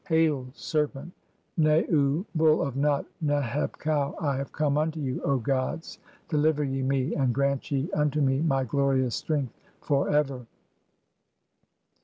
[Hail,] serpent (7) Nau, Bull of Nut, Neheb kau, I have "come unto you, O gods, deliver ye me, and grant ye unto me "my glorious strength for ever."